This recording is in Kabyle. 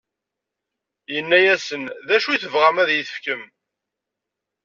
Inna-asen: D acu i tebɣam ad yi-t-tefkem?